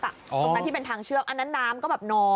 ตรงนั้นที่เป็นทางเชือกอันนั้นน้ำก็แบบน้อย